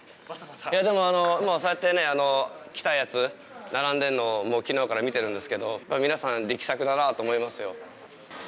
でもそうやってね来たやつ並んでいるのをもう昨日から見ているんですけど皆さん力作だなと思いますよ。